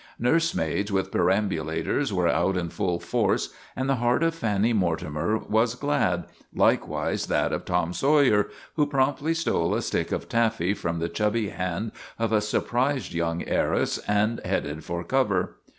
Nurse maids with perambulators were out in full force, and the heart of Fanny Mortimer was glad likewise that of Torn Sawyer, who promptly stole a stick of taffy from the chubby hand of a surprised young heiress and headed for cover.